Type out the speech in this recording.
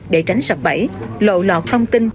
để tránh sập bẫy lộ lọt thông tin